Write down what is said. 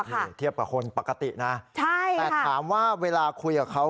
กับคนปกตินะใช่ค่ะแต่ถามว่าเวลาคุยกับเขา